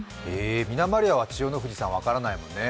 みな・まりあは千代の富士さん分からないもんね。